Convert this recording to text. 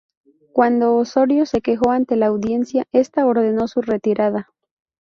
Cuando Osorio se quejó ante la Audiencia, esta ordenó su retirada.